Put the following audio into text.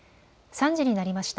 ３時になりました。